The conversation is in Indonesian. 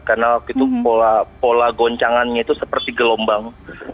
karena itu pola goncangannya itu seperti gelombang